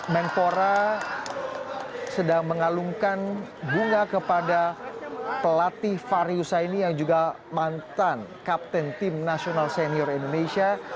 menpora sedang mengalungkan bunga kepada pelatih fahri husaini yang juga mantan kapten tim nasional senior indonesia